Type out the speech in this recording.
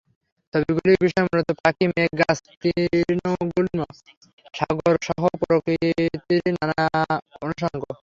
ছবিগুলির বিষয় মূলত পাখি, মেঘ, গাছ, তৃণগুল্ম, সাগরসহ প্রকৃতিরই নানা অনুষঙ্গ।